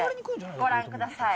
ご覧ください。